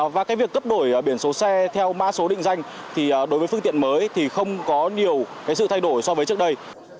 và cái việc cấp đổi biển số xe theo mã số định danh thì đối với phương tiện mới thì không có nhiều cái sự thay đổi so với trước đây